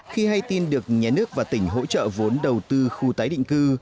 khi hay tin được nhà nước và tỉnh hỗ trợ vốn đầu tư khu tái định cư